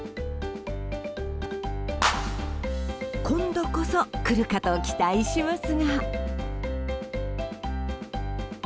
今度こそ来るかと期待しますが。